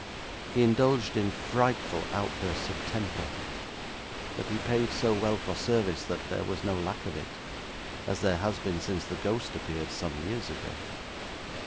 He indulged in frightful outbursts of temper, but he paid so well for service that there was no lack of it, as there has been since the ghost appeared some years ago.